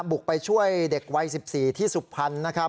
บุกไปช่วยเด็กวัย๑๔ที่สุพรรณนะครับ